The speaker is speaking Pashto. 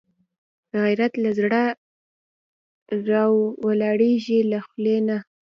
غیرت له زړه راولاړېږي، له خولې نه